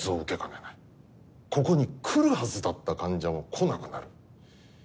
ここに来るはずだった患者も来なくなる。